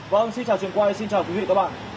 vâng xin chào truyền quay xin chào quý vị các bạn